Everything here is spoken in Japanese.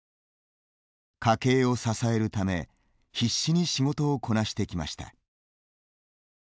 家計を支えるため必死に仕事をこなしてきました。